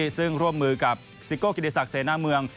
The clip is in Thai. ซึ่งร่วมมือกับซิโก้กิติศักดิเสนาเมือง